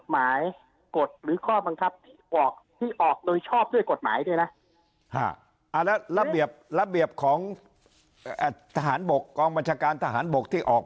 ไม่ชอบด้วยกฎหมายไหม